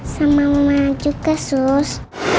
sama mama juga sus